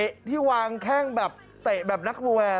ที่วางแข้งแบบเตะแบบนักมวย